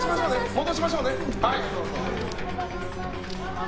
戻しましょうね。